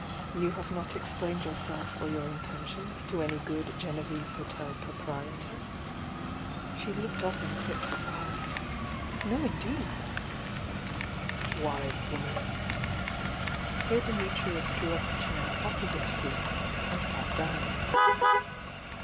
"You have not explained yourself or your intentions to any good Genevese hotel proprietor?" lU(i THE YOUxXG DIANA She looked up in quick surprise. "No, indeed!" "Wise woman!" Here Dimitrius drew up a chair opposite to her and sat down.